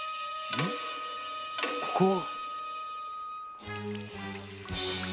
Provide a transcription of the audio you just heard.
ここは！